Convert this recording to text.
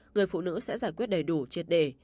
người phụ nữ sẽ giải quyết đầy đủ triệt đề